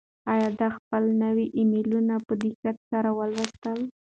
آیا ده خپل نوي ایمیلونه په دقت سره ولوستل؟